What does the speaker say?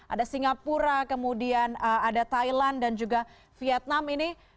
ada singapura kemudian ada thailand dan juga vietnam ini